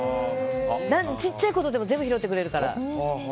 小さいことでも全部拾ってくれるから。